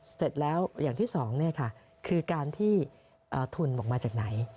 เสร็จแล้วอย่างที่สองคือการที่ทุนออกมาจากไหน